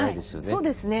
そうですね。